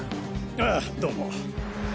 ああどうも。